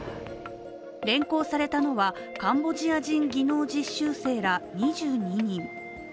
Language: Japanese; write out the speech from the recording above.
連行されたのは、カンボジア人技能実習生ら２２人。